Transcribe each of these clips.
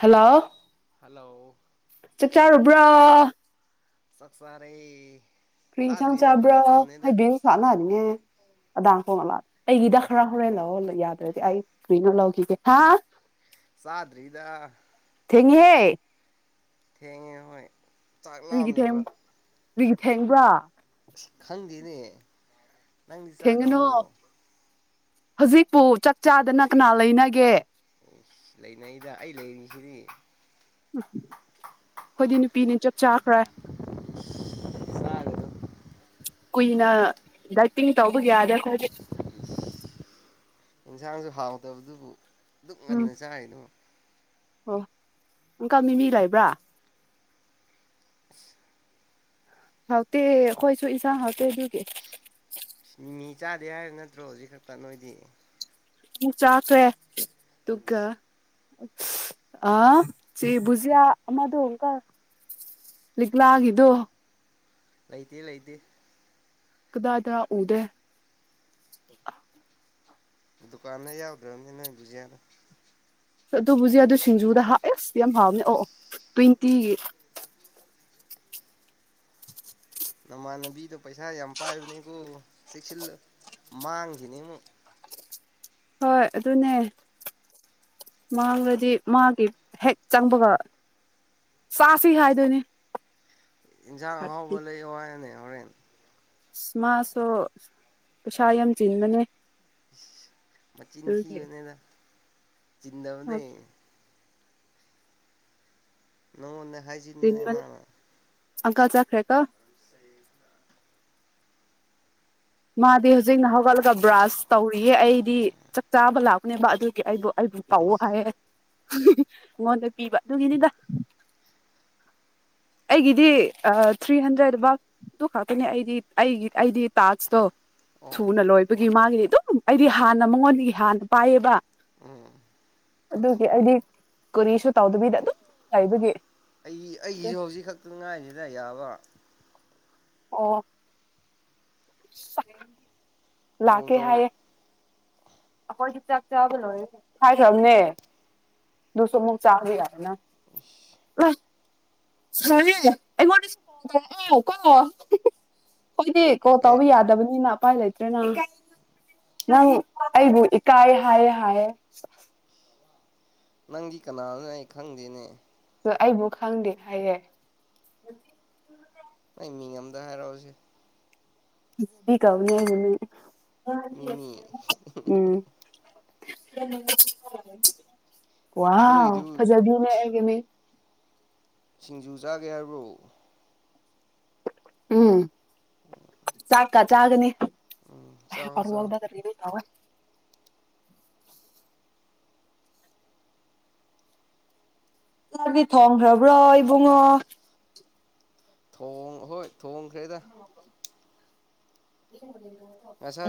hello hello ꯑꯥ ꯆꯥꯛꯆꯥꯔꯦ ꯀꯔꯤꯏꯟꯁꯥꯡ ꯆꯥꯕ꯭ꯔꯣ ꯍꯥꯏꯗꯤ [unintelligible] ꯁꯥꯠꯅꯔꯤꯅꯦ [unintelligible] ꯑꯗꯥ [unintelligible] ꯀꯣꯡꯂꯥ [unintelligible] ꯑꯩꯒꯤꯗ ꯈꯔ ꯍꯣꯔꯦꯟ ꯂꯧ ꯌꯥꯗ꯭ꯔꯗꯤ ꯑꯩ ꯀꯔꯤꯅꯣ ꯂꯧꯈꯤꯒꯦ ꯆꯥꯗ꯭ꯔꯤꯗꯥ ꯊꯦꯡꯉꯦꯍꯦ ꯊꯦꯡꯉꯦ ꯍꯣꯏ ꯇꯥꯛ ꯀꯔꯤꯒꯤ ꯊꯦꯡ ꯂꯥꯝꯅꯕ ꯀꯔꯤꯒꯤ ꯊꯦꯡꯕ꯭ꯔꯥ ꯈꯪꯗꯦꯅꯦ ꯅꯪꯗꯤ ꯊꯦꯡꯒꯅꯣ ꯆꯥꯈ꯭ꯔꯕꯣ ꯍꯧꯖꯤꯛꯄꯨ ꯆꯥꯛ ꯆꯥꯗꯅ ꯀꯅꯥ ꯂꯩꯅꯒꯦ ꯎꯁ ꯂꯩꯅꯩꯗ ꯑꯩ ꯂꯩꯔꯤꯁꯤꯗꯤ ꯎꯝ ꯑꯩꯈꯣꯏꯗꯤ ꯅꯨꯄꯤꯅꯦ ꯆꯞ ꯆꯥꯈ꯭ꯔꯦ ꯆꯥꯒꯅꯨ ꯀꯨꯏꯅ ꯗꯥꯏꯇꯤꯡ ꯇꯧꯕ ꯌꯥꯗꯦ ꯑꯩꯈꯣꯏꯗꯤ ꯌꯦꯟꯁꯥꯡꯁꯨ ꯍꯥꯎꯇꯕꯗꯨꯕꯨ ꯑꯗꯨꯛ ꯎꯝ ꯉꯟꯅ ꯆꯥꯔꯤꯗꯣ ꯑꯣ ꯑꯪꯀꯜ ꯃꯤꯃꯤ ꯂꯩꯕ꯭ꯔꯥ [unintelligible] ꯍꯥꯎꯇꯦ ꯑꯈꯣꯏꯁꯨ ꯏꯟꯁꯥꯡ ꯍꯥꯎꯇꯦ ꯑꯗꯨꯒꯤ ꯃꯤꯃꯤ ꯆꯥꯗꯦ ꯍꯥꯏ ꯅꯠꯇ꯭ꯔꯣ ꯍꯧꯖꯤꯛ ꯈꯛꯇ ꯅꯣꯏꯗꯤ ꯆꯥꯈ꯭ꯔꯦ ꯑꯗꯨꯒ ꯑ ꯆꯦ ꯕꯨꯖꯤꯌꯥ ꯑꯃꯗꯣ ꯑꯪꯀ ꯂꯤꯛꯂꯥꯒꯤꯗꯣ ꯂꯩꯇꯦ ꯂꯩꯇꯦ ꯗꯥꯗꯥ ꯎꯗꯦ ꯗꯨꯀꯥꯟꯗ ꯌꯥꯎꯗ꯭ꯔꯝꯅꯤ ꯅꯣꯏ ꯕꯨꯖꯤꯌꯥꯗꯣ ꯑꯗꯨ ꯕꯨꯖꯤꯌꯥꯗꯨ ꯁꯤꯡꯖꯨꯗ ꯍꯥ ꯏꯁ ꯌꯥꯝ ꯍꯥꯎꯕꯅꯦ ꯑꯣ ꯑꯣ ꯇ꯭ꯋꯦꯟꯇꯤꯒꯤ ꯅꯃꯥꯟꯅꯕꯤꯗꯣ ꯄꯩꯁꯥ ꯌꯥꯝ ꯄꯥꯏꯕꯅꯦꯀꯣ ꯆꯦꯛꯁꯤꯜꯂꯨ ꯃꯥꯡꯒꯤꯅꯤ ꯑꯃꯨꯛ ꯍꯣꯏ ꯑꯗꯨꯅꯦ ꯑꯁ ꯃꯥꯡꯂꯗꯤ ꯃꯥꯒꯤ ꯍꯦꯛ ꯆꯪꯕꯒ ꯆꯥꯁꯤ ꯍꯥꯏꯗꯣꯏꯅꯦ ꯏꯟꯖꯥꯡ ꯊꯥꯔꯇꯤ ꯑꯍꯥꯎꯕ ꯂꯩꯌꯣ ꯍꯥꯏꯅꯦ ꯍꯣꯔꯦꯟ ꯃꯥꯁꯨ ꯄꯩꯁꯥ ꯌꯥꯝ ꯆꯤꯟꯕꯅꯦ [unintelligible] ꯃꯆꯤꯟ ꯑꯗꯨꯒꯤ ꯊꯤꯑꯅꯦꯗ ꯆꯤꯟꯗꯕꯅꯦ ꯅꯪꯉꯣꯟꯗ ꯍꯥꯏꯖꯤꯟꯕꯅꯦ ꯆꯤꯟꯕꯅꯦ ꯃꯥꯅ ꯑꯪꯀꯜ ꯆꯠꯈ꯭ꯔꯦꯀꯣ ꯃꯥꯗꯤ ꯍꯧꯖꯤꯛꯅ ꯍꯧꯒꯠꯂꯒ ꯕ꯭ꯔꯥꯁ ꯇꯧꯔꯤꯌꯦ ꯑꯩꯗꯤ ꯆꯥꯛ ꯆꯥꯕ ꯂꯥꯛꯄꯅꯦꯕ ꯑꯗꯨꯒꯤ ꯑꯩꯕꯨ ꯑꯕꯨ ꯇꯧꯋꯣ ꯑꯁ ꯍꯥꯏꯌꯦ ꯑꯩꯉꯣꯟꯗ ꯄꯤꯕ ꯑꯗꯨꯒꯤꯅꯤꯗ ꯑꯩꯒꯤꯗꯤ ꯊ꯭ꯔꯤ ꯍꯟꯗ꯭ꯔꯦꯠ [unintelligible] ꯇꯨ ꯈꯥꯛꯇꯅꯦ ꯑꯩꯗꯤ ꯑꯩꯒꯤ ꯑꯩꯗꯤ ꯇꯥꯛꯁ ꯇꯣ ꯑꯣ ꯊꯨꯅꯂꯣꯏꯕꯒꯤ ꯃꯥꯒꯤ ꯑꯗꯨꯝ ꯑꯩꯗꯤ ꯍꯥꯟꯅ ꯃꯉꯣꯟꯗꯒꯤ ꯍꯥꯟꯅ ꯄꯥꯏꯌꯦꯕ ꯎꯝ ꯑꯗꯨꯒꯤ ꯑꯩꯗꯤ ꯀꯨꯔꯤꯁꯨ ꯇꯧꯗꯕꯤꯗ ꯑꯗꯨꯝ ꯂꯩꯕꯒꯤ ꯑꯩ ꯑꯩꯒꯤꯁꯨ ꯍꯧꯖꯤꯛ ꯈꯛꯇ ꯉꯥꯏꯔꯤꯗ ꯌꯥꯕ ꯑꯣ [unintelligible] ꯀꯣꯜ ꯂꯥꯛꯀꯦ ꯇꯧ ꯍꯥꯏꯌꯦ ꯑꯈꯣꯏꯁꯨ ꯆꯥꯛ ꯆꯥꯕ ꯂꯣꯏꯔꯦ ꯍꯥꯏꯈ꯭ꯔꯝꯅꯦ ꯑꯗꯨꯁꯨ ꯑꯃꯨꯛ ꯆꯥꯎ ꯌꯥꯗꯅ [unintelligible] [unintelligible] ꯍꯣꯏꯗꯤ ꯀꯣ ꯑꯦ ꯇꯧꯕꯕ ꯌꯥꯗꯕꯅꯤꯅ ꯎꯄꯥꯏ ꯂꯩꯇ꯭ꯔꯦ ꯅꯪ ꯅꯪ ꯑꯩꯕꯨ ꯏꯀꯥꯏ ꯍꯥꯏꯌꯦꯦ ꯍꯥꯏꯌꯦ ꯅꯪꯒꯤ ꯀꯅꯥꯅ ꯑꯩ ꯈꯪꯗꯦꯅꯦ ꯑ ꯑꯩꯕꯨ ꯈꯪꯗꯦ ꯍꯥꯏꯌꯦꯦ ꯅꯪ ꯃꯤꯡ ꯑꯝꯗ ꯍꯥꯏꯔꯛꯑꯣꯁꯦ ꯃꯕꯤ ꯀꯥꯎꯅꯦꯅꯦ ꯃꯤꯃꯤ ꯎꯝ ꯌꯥꯝ ꯅꯣꯏꯗꯨ ꯀ ꯐꯖꯕꯤꯅꯅꯦ ꯁꯤꯡꯖꯨ ꯆꯥꯒꯦ ꯍꯥꯏꯕ꯭ꯔꯣ ꯎꯝ ꯆꯛꯀꯥ ꯆꯥꯒꯅꯤ ꯎꯝ ꯐ ꯆꯥꯎ ꯆꯥꯎ ꯑꯣꯗ ꯇ ꯊꯕ [inaudible] ꯆꯗꯤ ꯊꯣꯡꯈ꯭ꯔꯕ꯭ꯔꯣ ꯏꯕꯨꯡꯉꯣ ꯊꯣꯡ ꯍꯣꯏ ꯊꯣꯡꯈꯩꯗ ꯌꯦ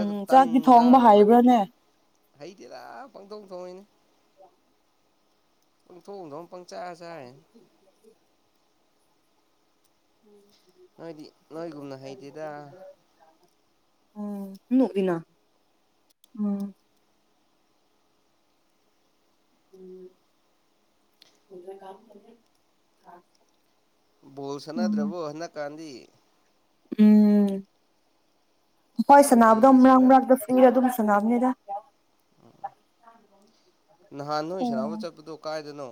ꯎꯝ ꯆꯥꯛꯇꯤ ꯊꯣꯡꯕ ꯍꯥꯏꯕ꯭ꯔꯥꯅꯦ ꯍꯩꯇꯦꯔꯥ ꯄꯪꯊꯧ ꯊꯣꯡꯉꯏꯅꯦ ꯊꯣꯡꯗ ꯄꯪꯆꯥꯥꯁ ꯎꯝ ꯅꯣꯏꯗꯤ ꯅꯣꯏꯒꯨꯝꯅ ꯍꯩꯇꯦꯗ ꯑꯣ ꯎ ꯅ ꯎꯝ ꯎꯝ ꯄꯨ ꯀꯝ ꯇꯔ ꯣꯜꯁꯅ ꯗ꯭ꯔꯕꯣ ꯍꯅ ꯀꯥꯟꯖꯤ ꯎꯝ ꯍꯣꯏ ꯁꯥꯟꯅꯕꯗꯣ ꯀꯔꯤ ꯃꯔꯥꯡ ꯃꯔꯥꯡꯛꯇ ꯐ꯭ꯔꯤꯔ ꯑꯗꯨꯝ ꯁꯥꯟꯅꯕꯅꯤꯗ ꯎ ꯅꯍꯥꯟ ꯅꯣꯏ ꯁꯅꯥꯎꯕ ꯎꯝ ꯆꯠꯄꯗꯣ ꯀꯥꯏꯗꯅꯣ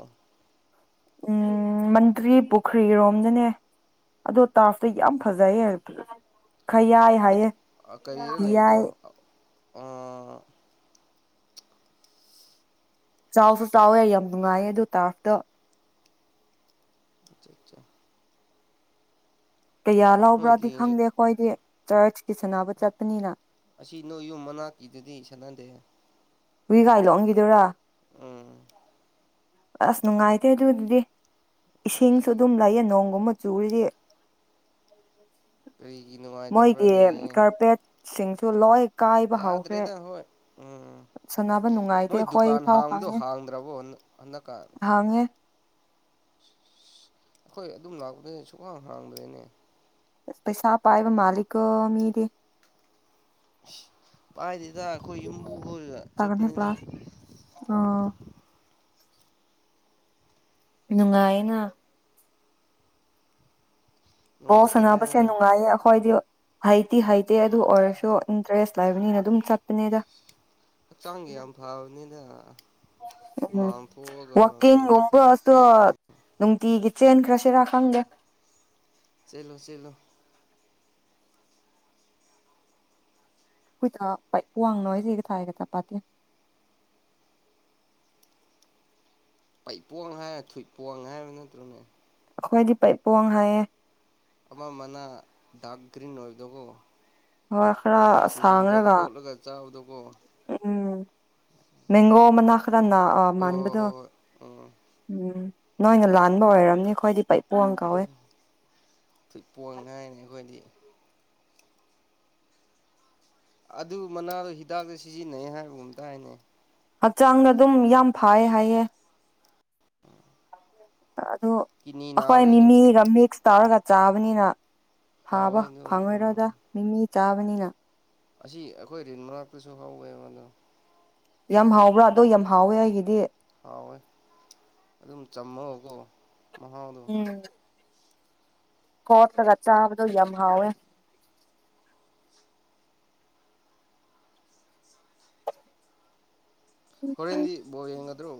ꯎꯝ ꯃꯟꯇ꯭ꯔꯤ ꯄꯨꯈ꯭ꯔꯤꯔꯣꯝꯅꯅꯦ ꯑꯗꯣ ꯇꯥꯐꯇꯣ ꯌꯥꯝ ꯐꯖꯩꯌꯦ ꯍꯥꯏ ꯈ ꯌꯥꯏ ꯍꯥꯏꯌꯦ ꯌꯥꯏ ꯑ ꯆꯥꯎꯁꯨ ꯆꯥꯎꯋꯦ ꯌꯥꯝ ꯅꯨꯡꯉꯥꯏꯌꯦ ꯑꯗꯨ ꯇꯥꯐꯇ ꯑꯆꯥ ꯑꯆꯥ ꯀꯌꯥ ꯅꯣꯏ ꯂꯕ꯭ꯔꯥꯗꯤ ꯒꯦꯡꯁꯨ ꯈꯪꯗꯦ ꯑꯩꯈꯣꯏꯗꯤ ꯆꯔꯆꯀꯤꯁꯨꯅꯥꯕꯨ ꯆꯄꯅꯤꯅ ꯑꯁꯤ ꯅꯣꯏ ꯌꯨꯝ ꯃꯅꯥꯛꯀꯤꯗꯨꯗꯤ ꯁꯥꯟꯅꯟꯗꯦ ꯏꯒꯥꯏ ꯂꯛꯑꯒꯤꯗꯣꯏꯔꯥ ꯎꯝ ꯑꯁ ꯅꯨꯡꯉꯥꯏꯇꯦ ꯑꯗꯨꯗꯤ ꯏꯁꯤꯡꯁꯨ ꯑꯗꯨꯝ ꯂꯩꯌꯦ ꯅꯣꯡꯒꯨꯝ ꯃ ꯆꯨꯔꯗꯤ ꯀꯔꯤꯒꯤ ꯃꯣꯏꯒꯤ ꯅꯨꯡꯉꯥꯏꯇꯕ꯭ꯔꯅꯦ ꯀꯔꯄꯦꯠꯁꯤꯡ ꯀ ꯂꯣꯏ ꯀꯥꯏꯕ ꯍꯧꯈ꯭ꯔꯦ ꯌꯥꯗ꯭ꯔꯦꯗ ꯍꯣꯏ ꯎꯝ ꯁꯥꯟꯅꯕ ꯅꯨꯡꯉꯥꯏꯇꯦ ꯃꯣꯏ ꯑꯩꯈꯣꯏ ꯗꯨꯀꯥꯟ ꯐꯥꯎ ꯍꯥꯡꯕꯗꯣ ꯈꯪꯉꯦ ꯍꯥꯡꯗ꯭ꯔꯕꯣ ꯍꯟꯗꯛꯀꯥ ꯍꯥꯡꯉꯦ ꯑꯩꯈꯣꯏ ꯑꯗꯨꯝ ꯂꯥꯛꯄꯗ ꯁꯨꯍꯥꯡ ꯍꯥꯡꯕꯗꯩꯅꯦ ꯄꯩꯁꯥ ꯄꯥꯏꯕ ꯃꯥꯂꯤꯀ‌ꯣ ꯃꯤꯗꯤ ꯄꯥꯏꯗ‌ꯦ ꯗ ꯑꯩꯈꯣꯏ ꯌꯨꯝꯕꯨꯕꯨ ꯇꯥꯒꯅꯤ ꯆꯠꯄꯅꯤꯗ ꯀ꯭ꯂꯥꯁ ꯑꯥ ꯅꯨꯡꯉꯥꯏꯅ ꯕꯣꯜ ꯑꯅꯥꯕꯁꯦ ꯌꯥꯝ ꯅꯨꯡꯉꯥꯏꯇꯦꯗ ꯅꯨꯡꯉꯥꯏꯌꯦ ꯑꯩꯈꯣꯏꯗꯤ ꯍꯩꯗꯤꯍꯩꯇꯦ ꯑꯗꯨ ꯑꯣꯏꯔꯁꯨ ꯏꯟꯇꯔꯦꯁ ꯂꯩꯕꯅꯤꯅ ꯑꯗꯨꯝ ꯆꯠꯄꯅꯦꯗ ꯍꯛꯆꯥꯡꯒꯤ ꯌꯥꯝ ꯐꯕꯅꯤꯅ ꯎꯝ ꯀꯔꯤ ꯀꯔꯤ ꯇꯧ ꯋꯥꯀꯤꯡꯒꯨꯝꯕꯁꯨ ꯅꯨꯡꯇꯤꯒꯤ ꯆꯦꯟꯈ꯭ꯔꯁꯤꯔꯥ ꯈꯪꯗꯦ ꯆ‌ꯦꯂꯣ ꯆ‌ꯦꯂꯣ [unintelligible] ꯄꯩ ꯄꯣꯋꯥꯡ ꯍꯥꯏꯔ ꯊꯨꯏꯠ ꯄꯣꯋꯥꯥꯡ ꯍꯥꯏꯔꯕ ꯅꯠꯇ꯭ꯔꯣꯅꯦ ꯑꯩꯈꯣꯏꯗꯤ ꯄꯩꯄꯣꯋꯥꯡ ꯍꯥꯏꯌꯦ ꯑ ꯃꯅꯥ ꯗꯒ꯭ꯔꯤꯟ ꯑꯣꯏꯗ ꯀꯣ ꯍꯣꯏ ꯈꯔ ꯁꯥꯡꯔꯒ ꯀꯣꯠꯂꯒ ꯆꯥꯕꯗꯣꯀꯣ ꯎꯝ ꯃꯦꯡꯒꯣ ꯃꯅꯥ ꯈꯔꯅꯥ ꯍꯣꯏ ꯍꯣꯏ ꯃꯥꯟꯕꯥꯟꯕꯗꯣ ꯍꯣꯏ ꯍꯣꯏ ꯎꯝ ꯎꯝ ꯅꯣꯏꯅ ꯂꯥꯟꯕ ꯑꯣꯏꯔꯝꯅꯤ ꯑꯩꯈꯣꯏꯗꯤ ꯄꯩꯄꯣꯡ ꯀꯧꯋꯦ ꯐꯨꯠꯕ‌ꯣꯟ ꯍꯥꯏꯔꯤꯅꯦ ꯑꯩꯈꯣꯏꯗꯤ ꯑꯗꯨ ꯃꯅꯥꯗꯣ ꯍꯤꯗꯥꯛꯇ ꯁꯤꯖꯤꯟꯅꯩ ꯍꯥꯏꯕꯒꯝꯇꯥꯏꯅꯦ ꯍꯛꯆꯥꯡꯅ ꯑꯗꯨꯝ ꯌꯥꯝ ꯐꯌꯦ ꯍꯥꯏꯌꯦ ꯑꯗꯣ ꯀꯤꯅꯤ ꯑꯩꯈꯣꯏ ꯅꯥꯕꯁꯤꯡ ꯃꯤꯃꯤ ꯔꯥꯃꯤꯛꯁ ꯇꯥꯔꯒ ꯆꯥꯕꯅꯤꯅ ꯐꯥꯕ ꯍꯥꯎꯋꯦ ꯑꯗꯣ ꯎꯝ ꯐꯪꯉꯣꯏꯔꯗ ꯃꯤꯃꯤ ꯆꯥꯕꯅꯤꯅ ꯑꯁꯤ ꯑꯩꯈꯣꯏ ꯔꯤꯟ ꯃꯅꯥꯛꯇꯁꯨ ꯍꯧꯋꯦꯕ ꯑꯗꯣ ꯌꯥꯝ ꯍꯥꯎꯕ꯭ꯔꯥ ꯑꯗꯣ ꯌꯥꯝ ꯍꯥꯎꯋꯦ ꯑꯩꯒꯤꯗꯤ ꯍꯥꯎꯋꯦ ꯑꯗꯨꯝ ꯆꯝꯃꯒꯀꯣ ꯃꯍꯥꯎꯗꯨ ꯀ‌ꯣꯠꯂꯒ ꯆꯕꯗꯨ ꯌꯥꯝ ꯍꯥꯎꯋ‌ꯦ ꯍꯔꯦꯟꯗꯤ ꯕ ꯌꯦꯡꯒꯗ꯭ꯔꯣ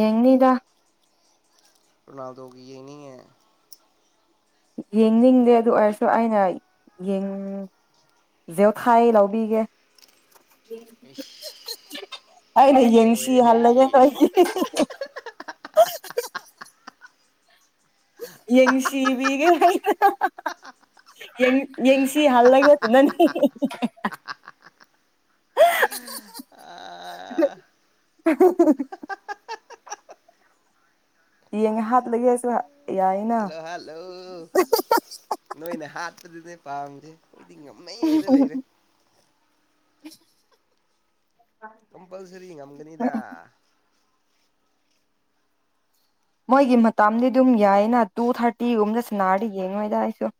ꯌꯦꯉꯗ ꯔꯣꯅꯥꯜꯗꯣꯒꯤ ꯌꯦꯅꯤꯌꯦ ꯌꯦꯡꯅꯤꯡꯗꯦ ꯑꯗꯨ ꯑꯣꯏꯔꯁꯨ ꯑꯩꯅ ꯌꯦꯡ ꯗꯣꯈꯥꯏ ꯂꯧꯕꯤꯒꯦ ꯏꯁ ꯑꯅꯦ ꯌꯦꯡꯁꯤ ꯂꯣꯏꯔꯦꯍꯦ ꯍꯜꯂꯒꯦ ꯅ ꯌꯦꯡꯁꯤꯕꯒ ꯌꯦ ꯌꯦꯡꯁꯤ ꯍꯜꯂꯒꯦ ꯑꯗꯨꯅꯅꯦ ꯑꯥ [unintelligible] ꯌꯦꯡꯉ ꯍꯥꯠꯂꯒꯦ ꯍꯥꯏꯁꯨ ꯌꯥꯏꯅ ꯍꯜꯂꯣ ꯍꯜꯂꯣ [unintelligible] ꯅꯣꯏꯅ ꯍꯥꯠꯄꯗꯨꯅꯦ ꯄꯥꯝꯁꯦ ꯑꯩꯈꯣꯏꯗꯤ ꯉꯝꯃꯦꯗ ꯂꯩꯔꯦ [unintelligible] ꯀꯝꯄꯜꯁꯔꯤ ꯉꯝꯒꯅꯤꯗ ꯃꯣꯏꯒꯤ ꯃꯇꯗꯤ ꯑꯗꯨꯝ ꯌꯥꯏꯅ ꯇꯨ ꯊꯥꯔꯇꯤꯒꯨꯝꯗ ꯁꯅꯥꯔꯗꯤ ꯌꯦꯡꯉꯣꯏꯗ ꯑꯩꯁꯨ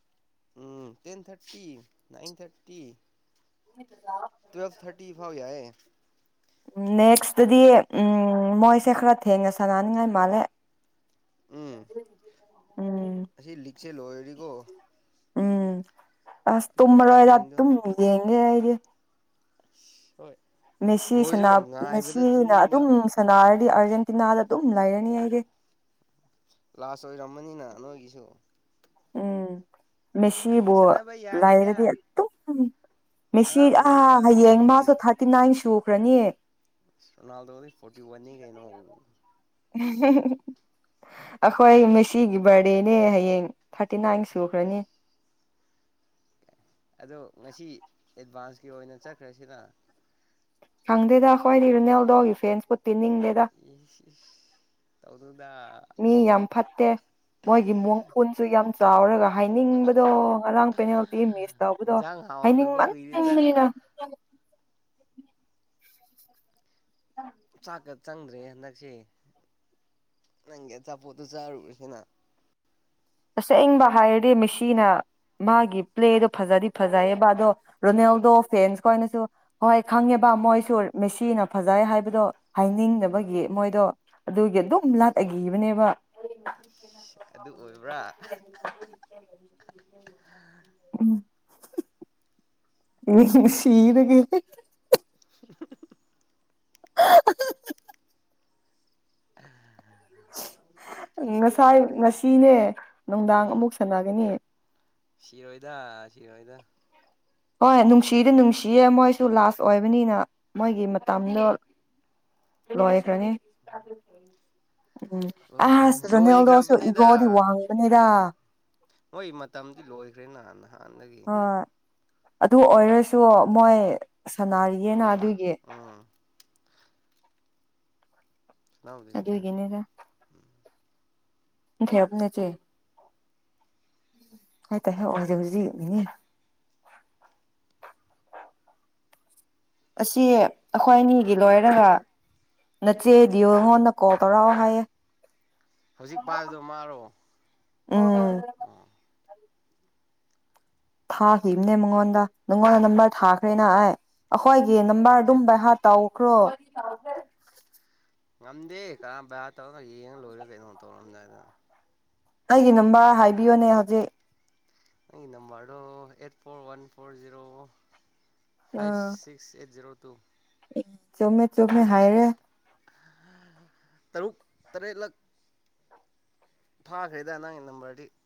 ꯎꯝ ten thirty nine thirty twelve ꯊꯔꯇꯤꯐꯥꯎ ꯌꯥꯏ ꯑꯗꯨꯗꯤ ꯎꯝ ꯃꯣꯏꯁꯦ ꯈꯔ ꯊꯦꯡꯅ ꯁꯥꯟꯅꯅꯤꯉꯥꯏ ꯃꯥꯜꯂꯦ ꯎꯝ [unintelligible] ꯎꯝ ꯑꯁꯤ ꯂꯤꯛꯁꯦ ꯂꯣꯏꯔꯗꯤꯀꯣ ꯎꯝ ꯑꯁ ꯑꯗꯨꯝ ꯇꯝꯕꯔ ꯋꯥꯏꯔ ꯇꯥꯏꯃꯤꯡꯗꯣ ꯑꯗꯨꯝ ꯌꯦꯡꯉꯦꯗꯤ ꯍꯣꯏ ꯦꯁꯤ ꯕꯣꯜꯁꯤꯀꯣ ꯉꯥꯏꯕꯗ ꯃꯦꯅ ꯇꯨꯝꯅꯤꯡꯕ ꯑꯗꯨꯝ ꯁꯅꯥ ꯗꯤ ꯑꯥꯔꯖꯦꯟꯇꯤꯅꯥꯗ ꯑꯗꯨꯝ ꯂꯩꯔꯅꯤ ꯑꯩꯗꯤꯦ ꯂꯥꯁ ꯑꯣꯏꯔꯝꯃꯅꯤꯅ ꯅꯣꯏꯒꯤꯁꯨ ꯎꯝ ꯌꯥꯏ ꯃꯦꯁꯤꯕꯨ ꯁꯥꯟꯅꯕ ꯌꯥꯔꯤꯗ ꯂꯥꯏꯔꯗꯤ ꯑꯗꯨꯝ ꯃꯦꯁꯤ ꯑꯉꯥꯡ ꯑ ꯑꯣꯏꯔꯤꯗ ꯍꯌꯦꯡ ꯃꯦꯁꯤꯕꯨꯗꯤ ꯃꯥꯁꯨ ꯊꯥꯔꯇꯤ ꯅꯥꯏꯟꯁꯨ ꯀꯅ ꯔꯅꯥꯜꯗꯣ ꯐꯣꯔꯇꯤ ꯋꯥꯟ ꯀꯩꯅꯣ ꯑꯩꯈꯣꯏ ꯉꯁꯤꯒꯤ ꯕꯥꯔꯗꯦꯅꯦ ꯍꯌꯦꯡ ꯊꯥꯔ ꯊꯥꯔꯇꯤ ꯅꯥꯏꯟ ꯁꯨꯈ꯭ꯔꯅꯤ ꯑꯗꯣ ꯉꯁꯤ ꯑꯦꯗꯚꯥꯟꯁꯀꯤ ꯑꯣꯏꯅ ꯆꯠꯈ꯭ꯔꯁꯤꯅ ꯍꯪꯗꯦꯗ ꯍꯣꯏ ꯏꯔ ꯅꯦꯜꯗꯣ ꯐꯦꯟꯁ ꯇꯤꯟꯗꯦꯗ ꯇꯗ ꯃꯤ ꯌꯥꯝ ꯐꯠꯇꯦ ꯃꯣꯏꯒꯤ ꯃꯣꯡ ꯐꯨꯣꯟꯁꯨ ꯌꯥꯝ ꯆꯥꯎꯔꯒ ꯍꯥꯏꯅꯤꯡꯕꯗꯣ ꯉꯔꯥꯡ ꯄꯦꯅꯥꯜꯇꯤ ꯃꯤꯁ ꯇꯧꯕꯗꯣ ꯏꯟꯁꯥꯡ ꯍꯥꯎꯗꯕ ꯀꯨꯏꯔꯦꯗ ꯍꯥꯏꯅꯤꯡꯕꯟꯕꯅꯤꯅ ꯑ ꯆꯥꯛꯀ ꯆꯪꯗ꯭ꯔꯦ ꯍꯟꯗꯛꯁꯦ ꯅꯪꯒꯤ ꯑꯆꯥꯄꯣꯠꯇꯣ ꯆꯥꯔꯨꯁꯤꯅ ꯑꯁꯦꯡꯕ ꯍꯥꯏꯔꯗꯤ ꯃꯦꯁꯤꯅ ꯃꯥꯒꯤ ꯄ꯭ꯂꯦꯗꯣ ꯐꯖꯗꯤ ꯐꯖꯩꯌꯦꯕ ꯑꯗꯣ ꯔꯣꯅꯦꯜꯗꯣ ꯐꯦꯟꯁ ꯈꯣꯏꯅꯁꯨ ꯍꯣꯏ ꯈꯪꯉꯦꯕ ꯃꯣꯏꯁꯨ ꯃꯦꯁꯤꯅ ꯐꯖꯩ ꯍꯥꯏꯕꯗꯣ ꯎꯝ ꯍꯥꯏꯅꯤꯡꯗꯕꯒꯤ ꯃꯣꯏꯗꯣ ꯑꯗꯨꯒꯤ ꯑꯗꯨꯝ ꯂꯥꯠꯑꯈꯤꯕꯅꯦꯕ ꯑꯗꯨ ꯑꯣꯏꯕ꯭ꯔꯥ [unintelligible] [inaudible] ꯏ ꯁꯗ ꯀꯦ ꯍꯦꯍꯦ [inaudible] ꯎ ꯉꯁꯥꯏ ꯉꯁꯤꯅꯦ ꯅꯨꯡꯗꯥꯡ ꯎꯝ ꯑꯃꯨꯛ ꯁꯟꯅꯒꯅꯤ ꯁꯤꯔꯣꯏꯗ ꯁꯤꯔꯣꯏꯗ ꯍꯣꯏ ꯅꯨꯡꯁꯤꯗꯤ ꯅꯨꯡꯁꯤꯌꯦ ꯃꯣꯏꯁꯨ ꯂꯥꯁ ꯑꯣꯏꯕꯅꯤꯅ ꯃꯣꯏꯒꯤ ꯃꯇꯝꯗꯣ ꯂꯣꯏꯈ꯭ꯔꯅꯤ ꯎꯝ ꯂꯣꯏꯈ꯭ꯔꯅꯤ ꯑꯁ ꯔꯣꯅꯥꯜꯗꯣꯁꯨ ꯂꯣꯏꯈ꯭ꯔꯕꯅꯤꯗ ꯏꯒꯣꯗꯤ ꯋꯥꯡꯕꯅꯤꯗ ꯅꯣꯏ ꯃꯇꯝꯗꯤ ꯂꯣꯏꯈ꯭ꯔꯦ ꯅꯍꯥꯟꯅ ꯅꯥꯟꯅꯗꯒꯤ ꯍꯣꯏ ꯑꯗꯨ ꯑꯣꯏꯔꯁꯨ ꯃꯣꯏ ꯁꯅꯥꯔꯤꯌꯦꯅ ꯎꯝ ꯑꯗꯨꯒꯤ ꯎꯝ ꯁꯕꯗꯤꯁꯤꯅꯦ ꯑꯗꯨꯒꯤꯅꯤꯗ ꯎꯝ ꯈꯦꯕꯅꯦ ꯆꯦ ꯍ ꯇ ꯍ ꯍꯧꯖꯤ ꯍꯧꯖꯤ ꯑꯁꯤ ꯑꯩꯈꯣꯏ ꯑꯅꯤꯒꯤ ꯂꯣꯏꯔꯒ ꯅꯠꯇꯦ ꯗꯤꯌꯣ ꯍꯣꯟꯅ ꯀꯣꯜ ꯇꯧꯔꯛꯑꯣ ꯍꯥꯏꯌꯦ ꯍꯧꯖꯤꯛ ꯄꯥꯏꯕꯗꯣ ꯃꯥꯔꯣ ꯎꯝ ꯑꯣ ꯊꯥꯈꯤꯕꯅꯦ ꯃꯉꯣꯟꯗ ꯅꯪꯉꯣꯟꯗ ꯅꯝꯕꯔ ꯊꯥꯈ꯭ꯔꯦꯅ ꯍꯥꯏ ꯑꯩꯈꯣꯏꯒꯤ ꯎꯝ ꯅꯝꯕꯔ ꯑꯗꯨꯝ ꯋꯥꯆꯦꯞꯇ ꯚꯍꯠ ꯇꯧꯈ꯭ꯔꯣ ꯀꯦ ꯉꯝꯗꯦ ꯀꯔꯝ ꯇꯧꯔꯒ ꯌꯦꯡꯉ ꯂꯣꯏꯔꯣ ꯀꯩꯅꯣ ꯇꯧꯔꯝꯗꯥꯏꯗꯅ ꯑꯩꯒꯤ ꯅꯝꯕ ꯍꯥꯏꯕꯤꯌꯣꯅꯦ ꯍꯧꯖꯤꯛ number eight four one four zero five six eight zero ꯇꯣ ꯎ ꯆꯨꯝꯃꯦ ꯆꯨꯝꯃꯦ ꯍꯥꯏꯔꯦ ꯇꯔꯨꯛ ꯇꯔꯦꯠꯂꯛ ꯐꯥꯈ꯭ꯔꯦꯗ ꯅꯪꯒꯤ ꯅꯝꯕꯔꯗꯤ